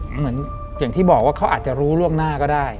เหมือนอย่างที่บอกว่าเขาอาจจะรู้ล่วงหน้าก็ได้